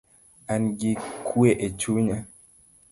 An gi kue echunya